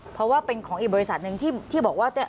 เพราะว่าเป็นของอีกบริษัทหนึ่งที่บอกว่า